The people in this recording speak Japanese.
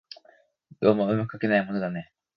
どうも巧くかけないものだね